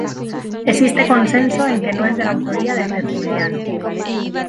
Existe consenso en que no es de la autoría de Tertuliano.